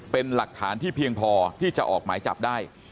เป็นหลักฐานที่เพียงพอที่จะออกหมายจับได้